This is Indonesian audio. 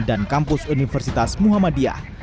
dan kampus universitas muhammadiyah